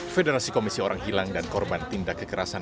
federasi komisi orang hilang dan korban tindak kekerasan